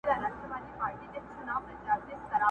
چي د ملالي د ټپې زور یې لیدلی نه وي!.